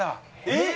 えっ！